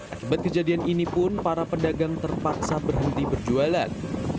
akibat kejadian ini pun para pedagang terpaksa berhenti berjualan